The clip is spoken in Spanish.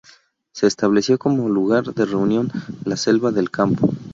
Se estableció como lugar de reunión La Selva del Campo.